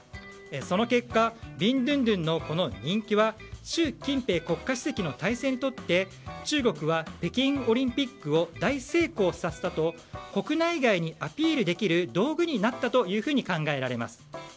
その結果、ビンドゥンドゥンのこの人気は習近平国家主席の体制にとって中国は北京オリンピックを大成功させたと国内外にアピールできる道具になったと考えられます。